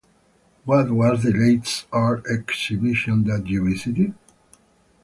What was the latest art exhibition that you visited?